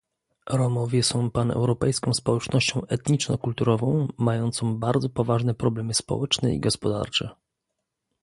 Romowie są paneuropejską społecznością etniczno-kulturową, mającą bardzo poważne problemy społeczne i gospodarcze